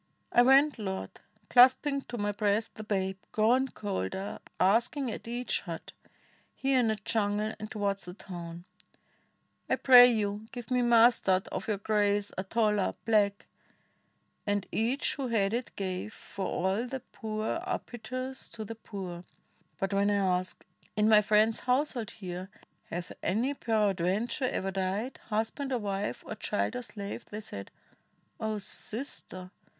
"I went, Lord, clasping to my breast The babe, grown colder, asking at each hut — Here in the jungle and towards the town — ^I pray you, give me mustard, of your grace, A tola — black'; and each who had it gave, For all the poor are piteous to the poor; But when I asked, 'In my friend's household here Hath any peradventure ever died — Husband or wife, or child, or slave?' they said: '0 Sister!